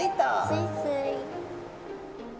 スイスイ。